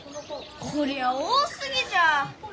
こりゃあ多すぎじゃ！